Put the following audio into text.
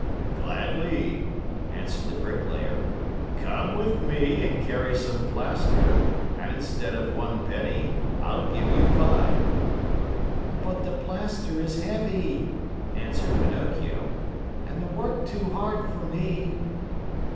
"Gladly," answered the Bricklayer. "Come with me and carry some plaster, and instead of one penny, I'll give you five." "But the plaster is heavy," answered Pinocchio, "and the work too hard for me."